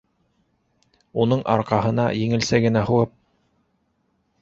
Уның арҡаһына еңелсә генә һуғып: